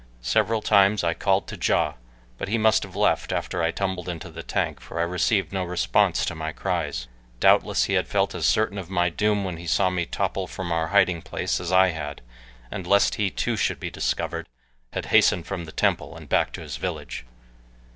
Several times I called to Ja, but he must have left after I tumbled into the tank, for I received no response to my cries. Doubtless he had felt as certain of my doom when he saw me topple from our hiding place as I had, and lest he too should be discovered, had hastened from the temple and back to his village.